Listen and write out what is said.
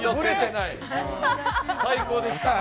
最高でした。